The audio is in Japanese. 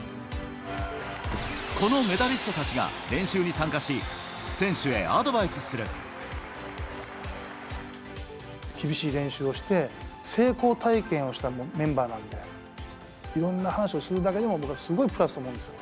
このメダリストたちが練習に参加し、厳しい練習をして、成功体験をしたメンバーなので、いろんな話をするだけでも、僕はすごいプラスと思うんですよ。